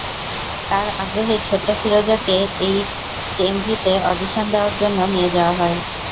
তাঁর আগ্রহেই ছোট্ট ফিরোজাকে এইচএমভিতে অডিশন দেওয়ার জন্য নিয়ে যাওয়া হয়।